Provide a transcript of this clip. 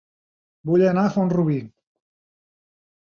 Vull anar a Font-rubí